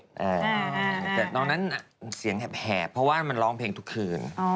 แต่ตอนนั้นเสียงแหบเพราะว่ามันร้องเพลงทุกคืน